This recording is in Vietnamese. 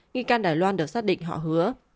nghi can đài loan được xác định họ hứa